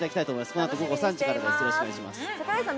このあと午後３時からです。